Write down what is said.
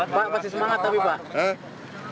pak pasti semangat tapi pak